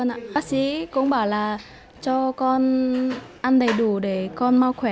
bác sĩ cũng bảo là cho con ăn đầy đủ để con mau khỏe